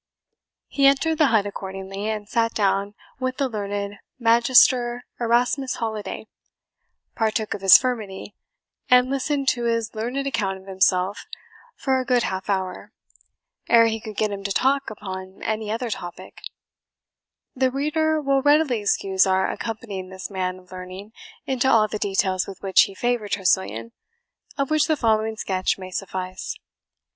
He entered the hut accordingly, and sat down with the learned Magister Erasmus Holiday, partook of his furmity, and listened to his learned account of himself for a good half hour, ere he could get him to talk upon any other topic, The reader will readily excuse our accompanying this man of learning into all the details with which he favoured Tressilian, of which the following sketch may suffice.